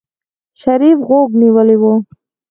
شريف غوږ نيولی و.